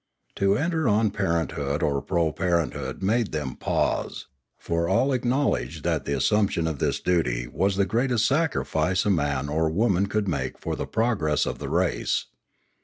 To enter on parenthood or proparenthood made them pause, for all acknowledged that the as sumption of this duty was the greatest sacrifice a man or woman could make for the progress of the race.